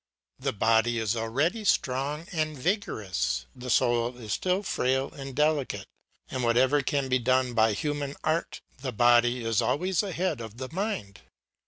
The body is already strong and vigorous, the soul is still frail and delicate, and whatever can be done by human art, the body is always ahead of the mind.